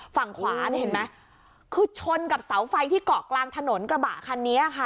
ฝั่งขวานี่เห็นไหมคือชนกับเสาไฟที่เกาะกลางถนนกระบะคันนี้ค่ะ